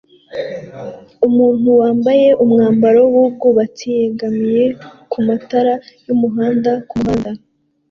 Umuntu wambaye umwambaro wubwubatsi yegamiye kumatara yumuhanda kumuhanda